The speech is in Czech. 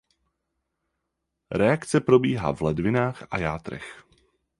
Reakce probíhá v ledvinách a játrech.